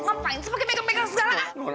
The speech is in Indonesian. ngapain pakai pegang pegang segala